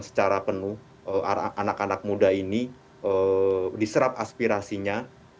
secara penuh anak anak muda ini diserap aspirasinya